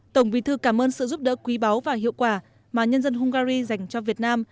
tổng bí thư cảm ơn sự giúp đỡ quý báu và hiệu quả mà nhân dân hungary dành cho việt nam